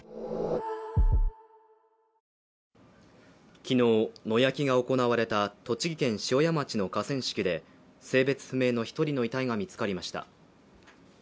昨日、野焼きが行われた栃木県塩谷町の河川敷で性別不明の１人の遺体が見つかりました。